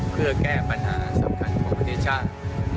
เพื่อแก้ปัญหาสำคัญของประเทศชาติ